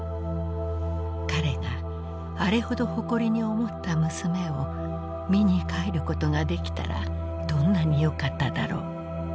彼があれほど誇りに思った娘を見に帰ることができたらどんなによかっただろう。